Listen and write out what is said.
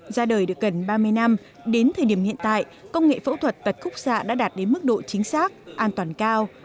ra đời được gần ba mươi năm đến thời điểm hiện tại công nghệ phẫu thuật tật khúc xạ đã đạt đến mức độ chính xác an toàn cao